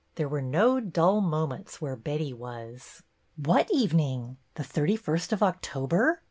There were no dull mo ments where Betty was. " What evening ? The thirty first of Octo ber?